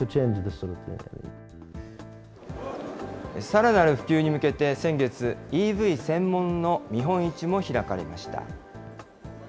さらなる普及に向けて、先月、ＥＶ専門の見本市も開かれました。